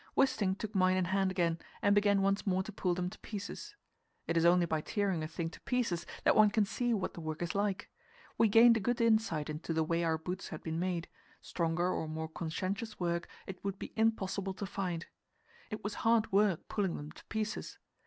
Wisting took mine in hand again, and began once more to pull them to pieces. It is only by tearing a thing to pieces that one can see what the work is like. We gained a good insight into the way our boots had been made; stronger or more conscientious work it would be impossible to find. It was hard work pulling them to pieces.